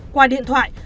qua điện thoại